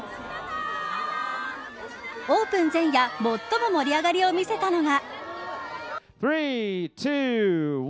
オープン前夜最も盛り上がりを見せたのが。